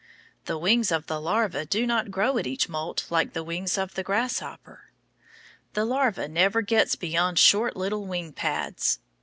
The wings of the larva do not grow at each moult like the wings of the grasshopper. The larva never gets beyond short little wing pads.